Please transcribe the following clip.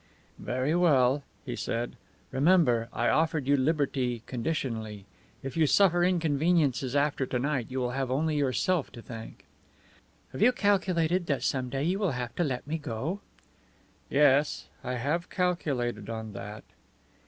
"Very well," he said. "Remember, I offered you liberty conditionally. If you suffer inconveniences after to night you will have only yourself to thank." "Have you calculated that some day you will have to let me go?" "Yes, I have calculated on that."